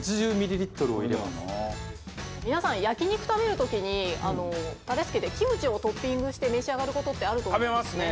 皆さん焼肉食べる時にタレ付けてキムチをトッピングして召し上がる事ってあると思うんですね。